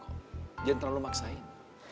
jangan terlalu maksain